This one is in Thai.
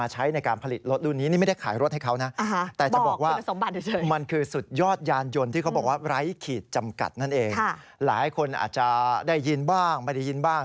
หลายคนอาจจะได้ยินบ้างไม่ได้ยินบ้าง